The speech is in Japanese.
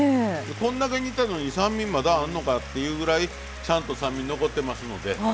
こんだけ煮たのに酸味まだあるのかっていうぐらいちゃんと酸味残ってますので大丈夫ですよ。